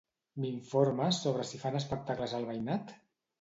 M'informes sobre si fan espectacles al veïnat?